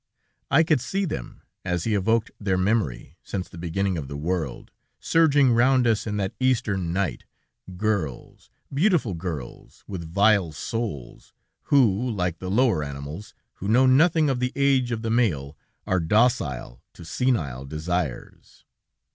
I could see them, as he evoked their memory, since the beginning of the world, surging round us in that Eastern night, girls, beautiful girls, with vile souls, who, like the lower animals, who know nothing of the age of the male, are docile to senile desires.